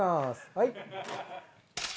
はい。